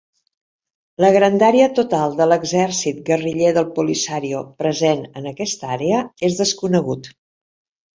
La grandària total de l'exèrcit guerriller del Polisario present en aquesta àrea és desconegut.